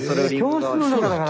教室の中だから。